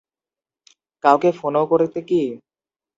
কাউকে ফোনও করতে কি?